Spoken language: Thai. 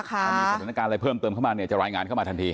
ถ้ามีสถานการณ์อะไรเพิ่มเติมเข้ามาเนี่ยจะรายงานเข้ามาทันที